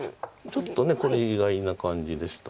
ちょっとこれ意外な感じでした。